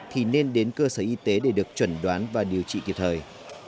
thì nên đến cơ sở y tế để được chuẩn đoán và điều trị kịp thời